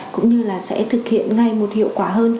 cũng như là sẽ thực hiện ngay một hiệu quả hơn